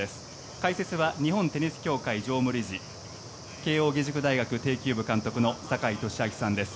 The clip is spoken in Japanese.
解説は日本テニス協会常務理事慶應義塾大学庭球部監督の坂井利彰さんです。